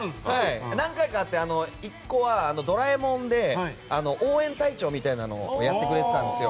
何回かあって１個は「ドラえもん」で応援隊長みたいなのをやってくれてたんですよ。